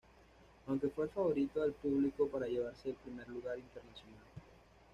Aunque fue el favorito del público para llevarse el primer lugar internacional.